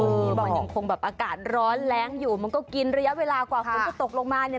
คือมันยังคงแบบอากาศร้อนแรงอยู่มันก็กินระยะเวลากว่าฝนจะตกลงมาเนี่ย